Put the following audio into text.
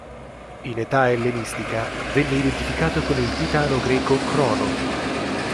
In età ellenistica venne identificato con il titano greco Crono.